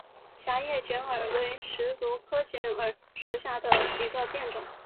狭叶卷耳为石竹科卷耳属下的一个变种。